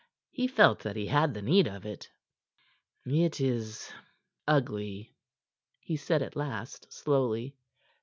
He felt that he had the need of it. "It is... ugly," he said at last slowly.